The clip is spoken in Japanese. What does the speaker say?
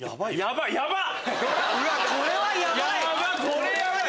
これやばい！